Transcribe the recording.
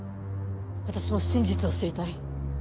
私も真実を知りたい。